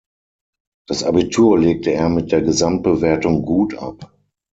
Das Abitur legte er mit der Gesamtbewertung „gut“ ab.